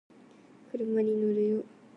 車に乗るよ